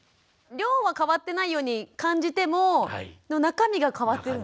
量は変わってないように感じても中身が変わってる？